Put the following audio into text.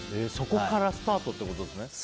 そこからスタートってことですね。